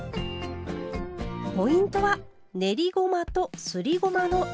ポイントは練りごまとすりごまのダブル使い。